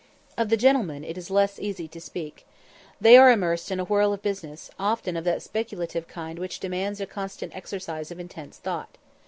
Of the gentlemen it is less easy to speak. They are immersed in a whirl of business, often of that speculative kind which demands a constant exercise of intense thought.